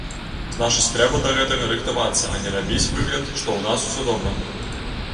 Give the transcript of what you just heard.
Значыць трэба да гэтага рыхтавацца, а не рабіць выгляд, што ў нас усё добра.